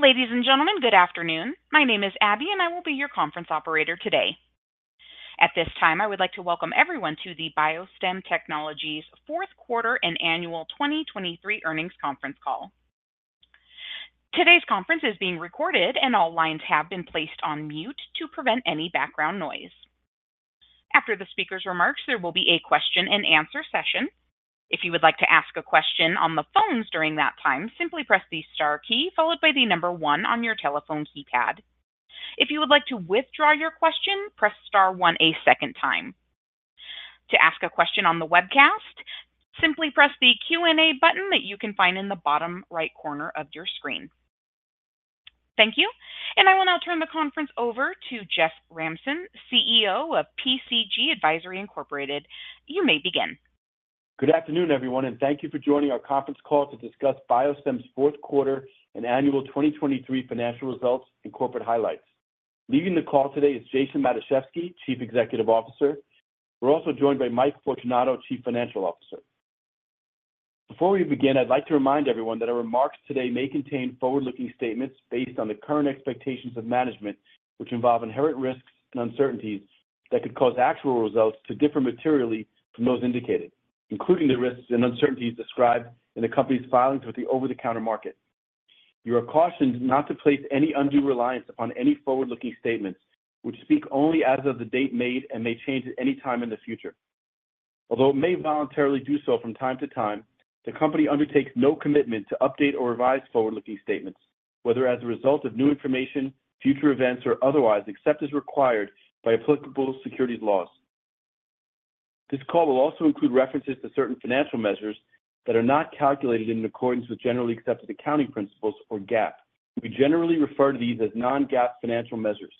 Ladies and gentlemen, good afternoon. My name is Abby, and I will be your conference operator today. At this time, I would like to welcome everyone to the BioStem Technologies' Fourth Quarter and Annual 2023 Earnings Conference Call. Today's conference is being recorded, and all lines have been placed on mute to prevent any background noise. After the speaker's remarks, there will be a question-and-answer session. If you would like to ask a question on the phones during that time, simply press the star key followed by the number one on your telephone keypad. If you would like to withdraw your question, press star one a second time. To ask a question on the webcast, simply press the Q&A button that you can find in the bottom right corner of your screen. Thank you, and I will now turn the conference over to Jeff Ramson, CEO of PCG Advisory. You may begin. Good afternoon, everyone, and thank you for joining our conference call to discuss BioStem's fourth quarter and annual 2023 financial results and corporate highlights. Leading the call today is Jason Matuszewski, Chief Executive Officer. We're also joined by Mike Fortunato, Chief Financial Officer. Before we begin, I'd like to remind everyone that our remarks today may contain forward-looking statements based on the current expectations of management, which involve inherent risks and uncertainties that could cause actual results to differ materially from those indicated, including the risks and uncertainties described in the company's filings with the over-the-counter market. You are cautioned not to place any undue reliance upon any forward-looking statements, which speak only as of the date made and may change at any time in the future. Although it may voluntarily do so from time to time, the company undertakes no commitment to update or revise forward-looking statements, whether as a result of new information, future events, or otherwise except as required by applicable securities laws. This call will also include references to certain financial measures that are not calculated in accordance with generally accepted accounting principles or GAAP. We generally refer to these as non-GAAP financial measures.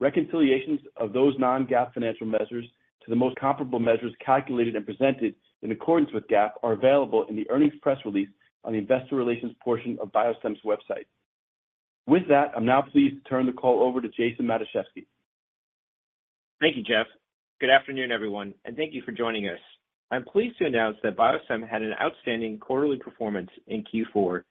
Reconciliations of those non-GAAP financial measures to the most comparable measures calculated and presented in accordance with GAAP are available in the earnings press release on the investor relations portion of BioStem's website. With that, I'm now pleased to turn the call over to Jason Matuszewski. Thank you, Jeff. Good afternoon, everyone, and thank you for joining us. I'm pleased to announce that BioStem had an outstanding quarterly performance in Q4,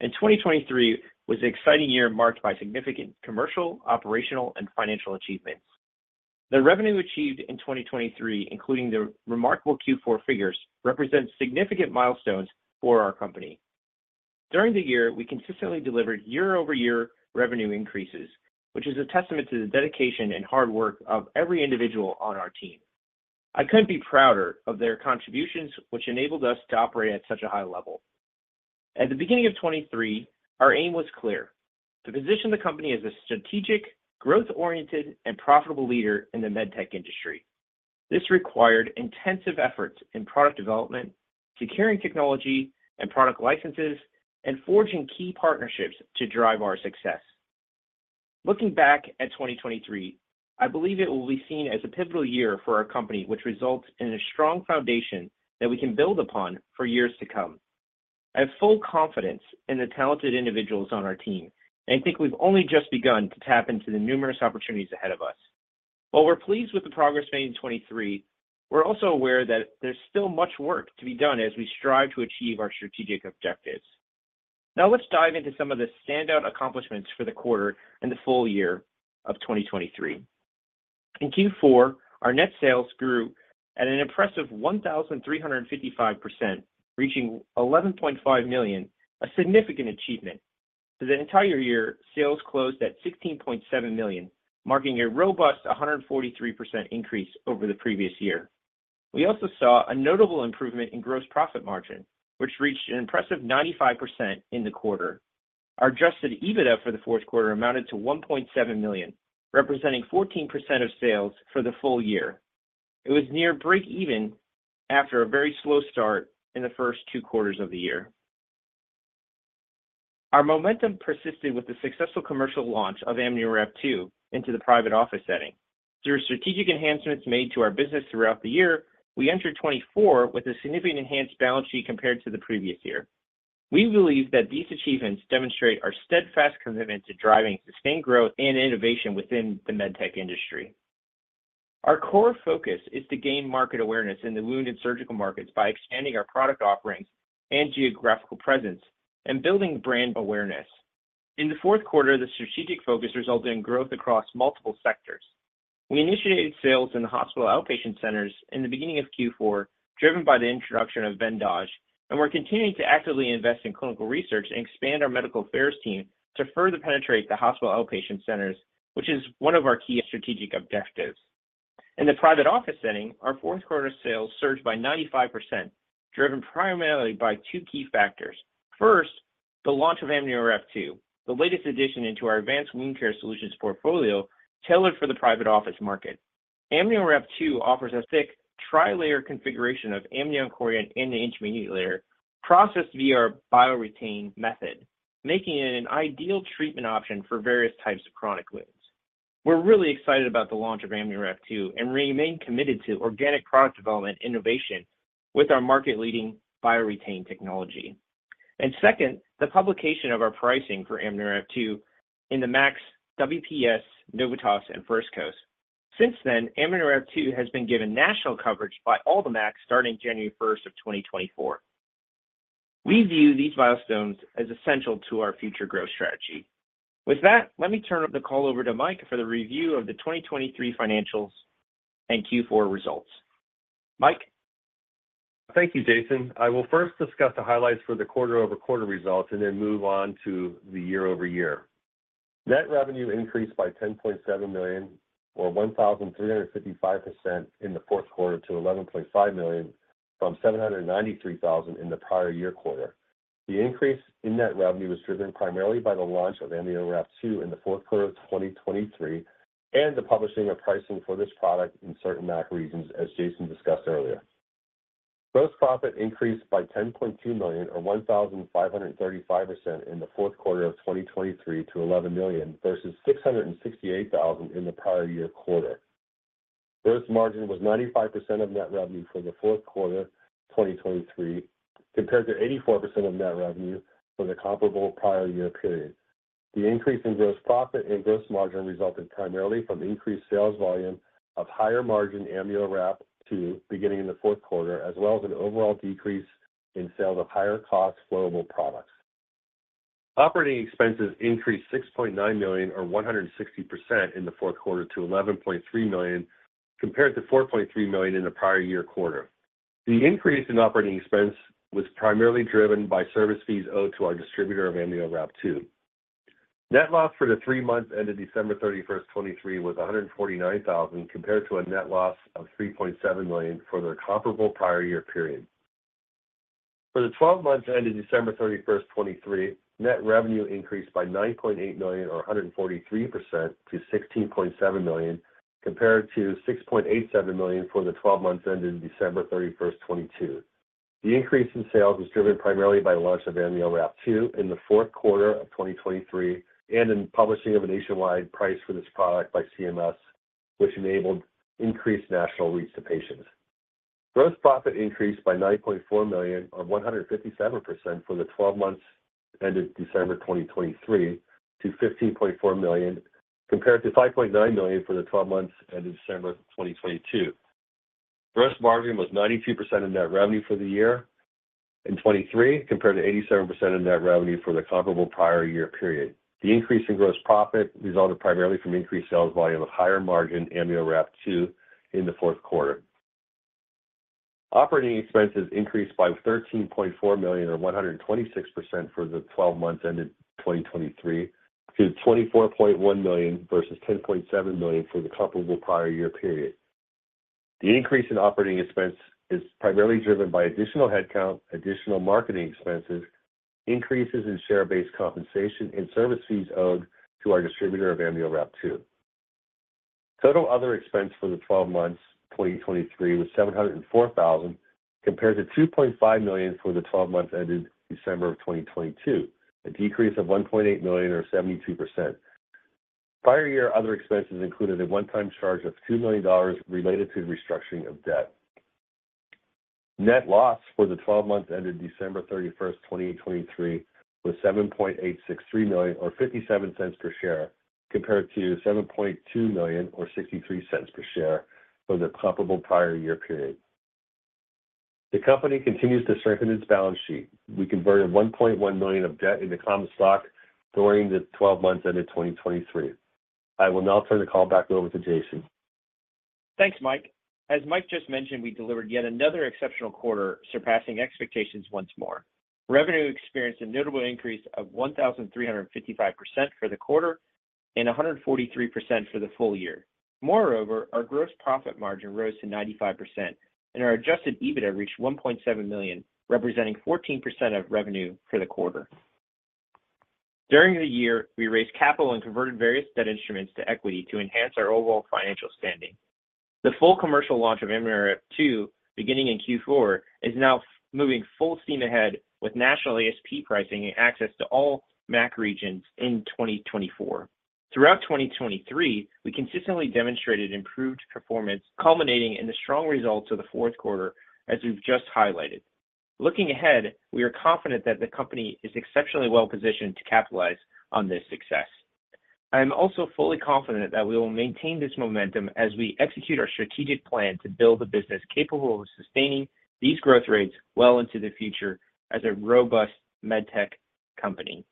and 2023 was an exciting year marked by significant commercial, operational, and financial achievements. The revenue achieved in 2023, including the remarkable Q4 figures, represents significant milestones for our company. During the year, we consistently delivered year-over-year revenue increases, which is a testament to the dedication and hard work of every individual on our team. I couldn't be prouder of their contributions, which enabled us to operate at such a high level. At the beginning of 2023, our aim was clear: to position the company as a strategic, growth-oriented, and profitable leader in the MedTech industry. This required intensive efforts in product development, securing technology and product licenses, and forging key partnerships to drive our success. Looking back at 2023, I believe it will be seen as a pivotal year for our company, which results in a strong foundation that we can build upon for years to come. I have full confidence in the talented individuals on our team, and I think we've only just begun to tap into the numerous opportunities ahead of us. While we're pleased with the progress made in 2023, we're also aware that there's still much work to be done as we strive to achieve our strategic objectives. Now, let's dive into some of the standout accomplishments for the quarter and the full year of 2023. In Q4, our net sales grew at an impressive 1,355%, reaching $11.5 million, a significant achievement. For the entire year, sales closed at $16.7 million, marking a robust 143% increase over the previous year. We also saw a notable improvement in gross profit margin, which reached an impressive 95% in the quarter. Our adjusted EBITDA for the fourth quarter amounted to $1.7 million, representing 14% of sales for the full year. It was near break-even after a very slow start in the first two quarters of the year. Our momentum persisted with the successful commercial launch of AmnioWrap2™ into the private office setting. Through strategic enhancements made to our business throughout the year, we entered 2024 with a significantly enhanced balance sheet compared to the previous year. We believe that these achievements demonstrate our steadfast commitment to driving sustained growth and innovation within the MedTech industry. Our core focus is to gain market awareness in the wound and surgical markets by expanding our product offerings and geographical presence and building brand awareness. In the fourth quarter, the strategic focus resulted in growth across multiple sectors. We initiated sales in the hospital outpatient centers in the beginning of Q4, driven by the introduction of VENDAJE®, and we're continuing to actively invest in clinical research and expand our medical affairs team to further penetrate the hospital outpatient centers, which is one of our key strategic objectives. In the private office setting, our fourth quarter sales surged by 95%, driven primarily by two key factors. First, the launch of AmnioWrap2™, the latest addition into our advanced wound care solutions portfolio tailored for the private office market. AmnioWrap2™ offers a thick, tri-layer configuration of amniotic tissue processed via a BioREtain® method, making it an ideal treatment option for various types of chronic wounds. We're really excited about the launch of AmnioWrap2 and remain committed to organic product development innovation with our market-leading BioREtain technology. Second, the publication of our pricing for AmnioWrap2 in the MACs, WPS, Novitas, and First Coast. Since then, AmnioWrap2 has been given national coverage by all the MACs starting January 1st of 2024. We view these milestones as essential to our future growth strategy. With that, let me turn the call over to Mike for the review of the 2023 financials and Q4 results. Mike? Thank you, Jason. I will first discuss the highlights for the quarter-over-quarter results and then move on to the year-over-year. Net revenue increased by $10.7 million, or 1,355% in the fourth quarter to $11.5 million from $793,000 in the prior year quarter. The increase in net revenue was driven primarily by the launch of AmnioWrap2 in the fourth quarter of 2023 and the publishing of pricing for this product in certain MAC regions, as Jason discussed earlier. Gross profit increased by $10.2 million, or 1,535% in the fourth quarter of 2023 to $11 million versus $668,000 in the prior year quarter. Gross margin was 95% of net revenue for the fourth quarter of 2023 compared to 84% of net revenue for the comparable prior year period. The increase in gross profit and gross margin resulted primarily from increased sales volume of higher-margin AmnioWrap2 beginning in the fourth quarter, as well as an overall decrease in sales of higher-cost flowable products. Operating expenses increased $6.9 million, or 160%, in the fourth quarter to $11.3 million compared to $4.3 million in the prior year quarter. The increase in operating expense was primarily driven by service fees owed to our distributor of AmnioWrap2. Net loss for the three months ended December 31st, 2023 was $149,000 compared to a net loss of $3.7 million for the comparable prior year period. For the 12 months ended December 31st, 2023, net revenue increased by $9.8 million, or 143%, to $16.7 million compared to $6.87 million for the 12 months ended December 31st, 2022. The increase in sales was driven primarily by the launch of AmnioWrap2™ in the fourth quarter of 2023 and the publishing of a nationwide price for this product by CMS, which enabled increased national reach to patients. Gross profit increased by $9.4 million, or 157%, for the 12 months ended December 2023 to $15.4 million compared to $5.9 million for the 12 months ended December 2022. Gross margin was 92% of net revenue for the year in 2023 compared to 87% of net revenue for the comparable prior year period. The increase in gross profit resulted primarily from increased sales volume of higher-margin AmnioWrap2™ in the fourth quarter. Operating expenses increased by $13.4 million, or 126%, for the 12 months ended 2023 to $24.1 million versus $10.7 million for the comparable prior year period. The increase in operating expense is primarily driven by additional headcount, additional marketing expenses, increases in share-based compensation, and service fees owed to our distributor of AmnioWrap2. Total other expense for the 12 months 2023 was $704,000 compared to $2.5 million for the 12 months ended December of 2022, a decrease of $1.8 million, or 72%. Prior year other expenses included a one-time charge of $2 million related to the restructuring of debt. Net loss for the 12 months ended December 31st, 2023, was $7.863 million, or $0.57 per share compared to $7.2 million, or $0.63 per share for the comparable prior year period. The company continues to strengthen its balance sheet. We converted $1.1 million of debt into common stock during the 12 months ended 2023. I will now turn the call back over to Jason. Thanks, Mike. As Mike just mentioned, we delivered yet another exceptional quarter, surpassing expectations once more. Revenue experienced a notable increase of 1,355% for the quarter and 143% for the full year. Moreover, our gross profit margin rose to 95%, and our Adjusted EBITDA reached $1.7 million, representing 14% of revenue for the quarter. During the year, we raised capital and converted various debt instruments to equity to enhance our overall financial standing. The full commercial launch of AmnioWrap2 beginning in Q4 is now moving full steam ahead with national ASP pricing and access to all MAC regions in 2024. Throughout 2023, we consistently demonstrated improved performance, culminating in the strong results of the fourth quarter, as we've just highlighted. Looking ahead, we are confident that the company is exceptionally well-positioned to capitalize on this success. I am also fully confident that we will maintain this momentum as we execute our strategic plan to build a business capable of sustaining these growth rates well into the future as a robust MedTech company.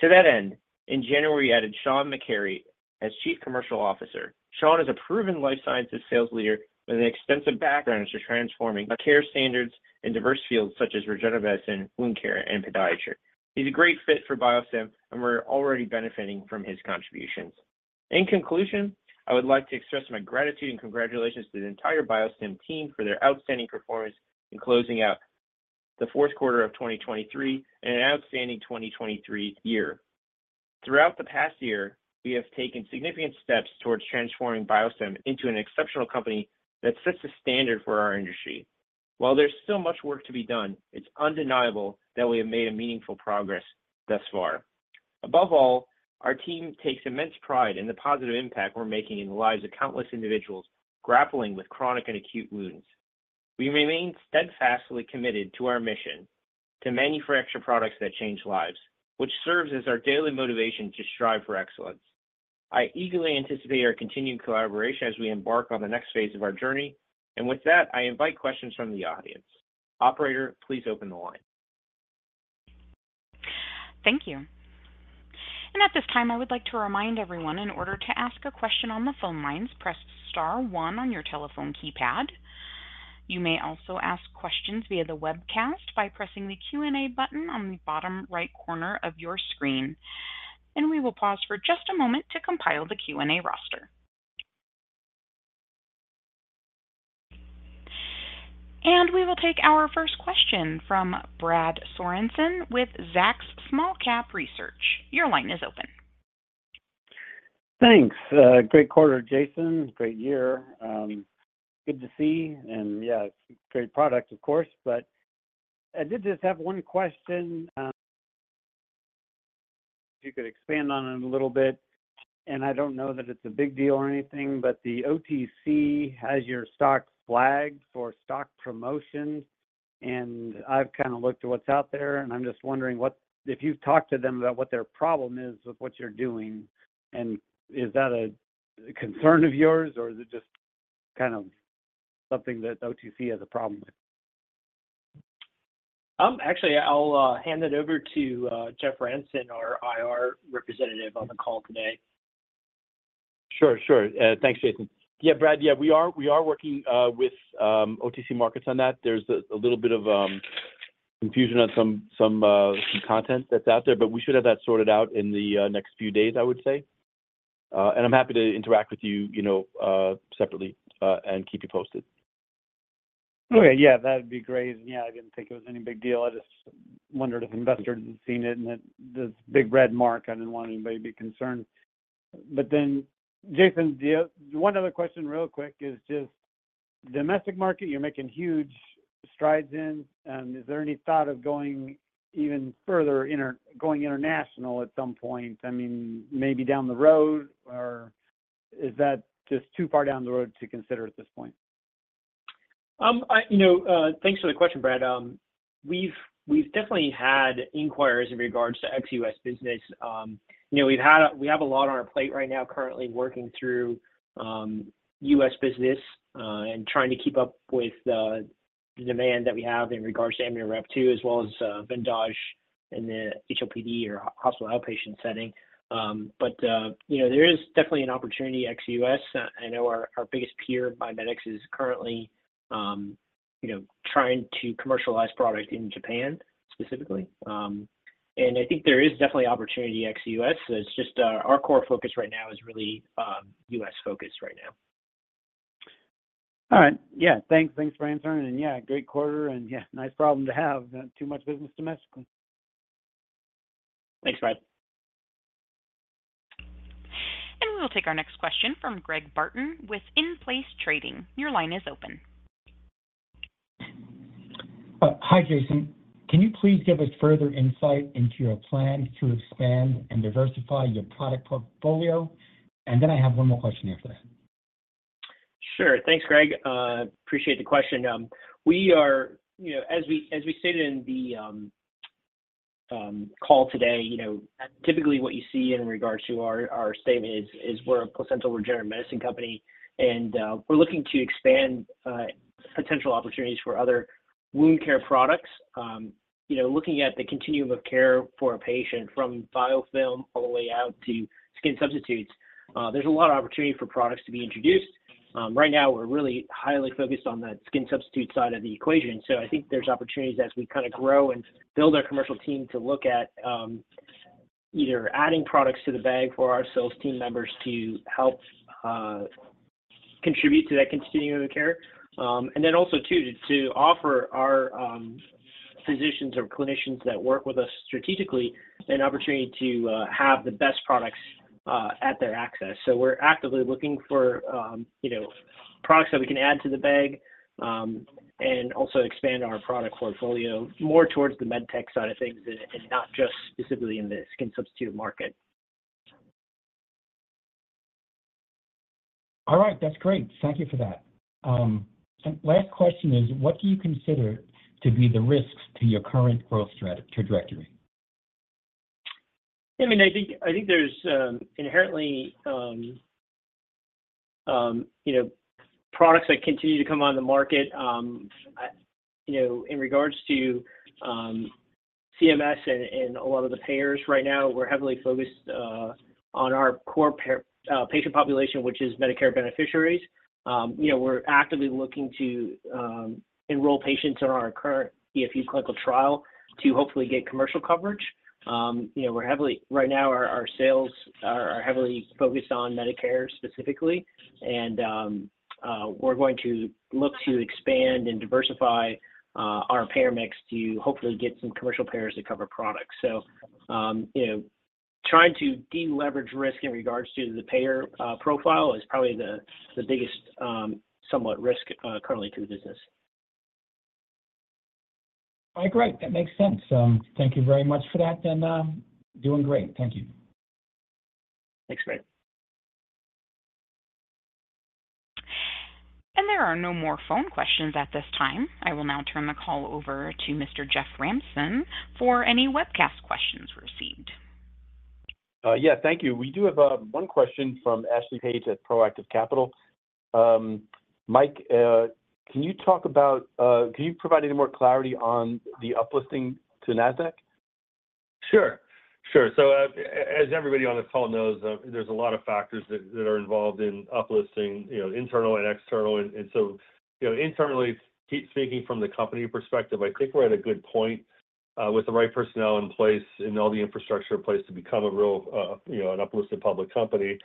To that end, in January, we added Shawne McCary as Chief Commercial Officer. Shawne is a proven life sciences sales leader with an extensive background into transforming care standards in diverse fields such as regenerative medicine, wound care, and podiatry. He's a great fit for BioStem, and we're already benefiting from his contributions. In conclusion, I would like to express my gratitude and congratulations to the entire BioStem team for their outstanding performance in closing out the fourth quarter of 2023 and an outstanding 2023 year. Throughout the past year, we have taken significant steps towards transforming BioStem into an exceptional company that sets the standard for our industry. While there's still much work to be done, it's undeniable that we have made meaningful progress thus far. Above all, our team takes immense pride in the positive impact we're making in the lives of countless individuals grappling with chronic and acute wounds. We remain steadfastly committed to our mission to manufacture products that change lives, which serves as our daily motivation to strive for excellence. I eagerly anticipate our continued collaboration as we embark on the next phase of our journey. With that, I invite questions from the audience. Operator, please open the line. Thank you. At this time, I would like to remind everyone, in order to ask a question on the phone lines, press star one on your telephone keypad. You may also ask questions via the webcast by pressing the Q&A button on the bottom right corner of your screen. We will pause for just a moment to compile the Q&A roster. We will take our first question from Brad Sorensen with Zacks Small Cap Research. Your line is open. Thanks. Great quarter, Jason. Great year. Good to see. And yeah, it's a great product, of course. But I did just have one question if you could expand on it a little bit. I don't know that it's a big deal or anything, but the OTC has your stock flagged for stock promotion. I've kind of looked at what's out there, and I'm just wondering if you've talked to them about what their problem is with what you're doing. Is that a concern of yours, or is it just kind of something that OTC has a problem with? Actually, I'll hand it over to Jeff Ramson, our IR representative, on the call today. Sure. Sure. Thanks, Jason. Yeah, Brad, yeah, we are working with OTC Markets on that. There's a little bit of confusion on some content that's out there, but we should have that sorted out in the next few days, I would say. And I'm happy to interact with you separately and keep you posted. Okay. Yeah, that'd be great. Yeah, I didn't think it was any big deal. I just wondered if investors had seen it and this big red mark. I didn't want anybody to be concerned. But then, Jason, one other question real quick is just domestic market, you're making huge strides in. Is there any thought of going even further going international at some point? I mean, maybe down the road, or is that just too far down the road to consider at this point? Thanks for the question, Brad. We've definitely had inquiries in regards to ex-US business. We have a lot on our plate right now, currently working through US business and trying to keep up with the demand that we have in regards to AmnioWrap2, as well as VENDAJE in the HOPD, or hospital outpatient setting. But there is definitely an opportunity ex-US. I know our biggest peer, MiMedx, is currently trying to commercialize product in Japan, specifically. And I think there is definitely opportunity ex-US. It's just our core focus right now is really US-focused right now. All right. Yeah. Thanks for answering. Yeah, great quarter. Yeah, nice problem to have, too much business domestically. Thanks, Brad. We will take our next question from Greg Barton with In Place Trading. Your line is open. Hi, Jason. Can you please give us further insight into your plan to expand and diversify your product portfolio? And then I have one more question after that. Sure. Thanks, Greg. Appreciate the question. As we stated in the call today, typically what you see in regards to our statement is we're a placental regenerative medicine company, and we're looking to expand potential opportunities for other wound care products. Looking at the continuum of care for a patient from biofilm all the way out to skin substitutes, there's a lot of opportunity for products to be introduced. Right now, we're really highly focused on the skin substitute side of the equation. So I think there's opportunities as we kind of grow and build our commercial team to look at either adding products to the bag for our sales team members to help contribute to that continuum of care, and then also, too, to offer our physicians or clinicians that work with us strategically an opportunity to have the best products at their access. We're actively looking for products that we can add to the bag and also expand our product portfolio more towards the MedTech side of things and not just specifically in the skin substitute market. All right. That's great. Thank you for that. And last question is, what do you consider to be the risks to your current growth trajectory? I mean, I think there's inherently products that continue to come on the market. In regards to CMS and a lot of the payers right now, we're heavily focused on our core patient population, which is Medicare beneficiaries. We're actively looking to enroll patients on our current DFU clinical trial to hopefully get commercial coverage. Right now, our sales are heavily focused on Medicare specifically. And we're going to look to expand and diversify our payer mix to hopefully get some commercial payers that cover products. So trying to deleverage risk in regards to the payer profile is probably the biggest somewhat risk currently to the business. All right. That makes sense. Thank you very much for that, then. Doing great. Thank you. Thanks, Greg. There are no more phone questions at this time. I will now turn the call over to Mr. Jeff Ramson for any webcast questions received. Yeah, thank you. We do have one question from Ashley Page at Proactive Capital. Mike, can you provide any more clarity on the uplisting to Nasdaq? Sure. Sure. So as everybody on this call knows, there's a lot of factors that are involved in uplisting, internal and external. So internally, speaking from the company perspective, I think we're at a good point with the right personnel in place and all the infrastructure in place to become an uplisted public company.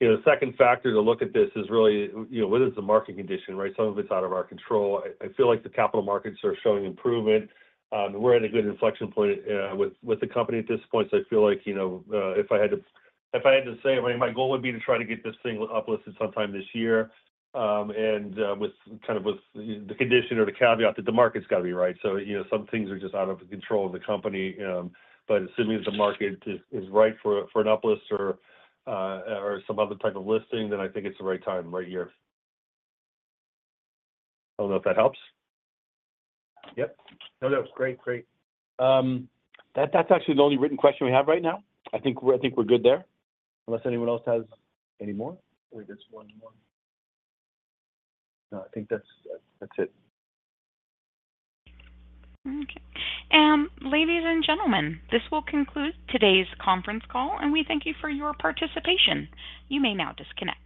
The second factor to look at this is really whether it's the market condition, right? Some of it's out of our control. I feel like the capital markets are showing improvement. We're at a good inflection point with the company at this point. So I feel like if I had to if I had to say, my goal would be to try to get this thing uplisted sometime this year. And kind of with the condition or the caveat that the market's got to be right. So some things are just out of control of the company. But assuming the market is right for an uplist or some other type of listing, then I think it's the right time, right year. I don't know if that helps. Yep. No, no. Great. Great. That's actually the only written question we have right now. I think we're good there, unless anyone else has any more. Wait, there's one more. No, I think that's it. Okay. Ladies and gentlemen, this will conclude today's conference call, and we thank you for your participation. You may now disconnect.